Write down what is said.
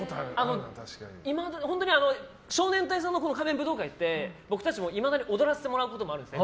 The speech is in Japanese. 本当に少年隊さんの「仮面舞踏会」って僕たちもいまだに踊らせてもらうこともあるんですね。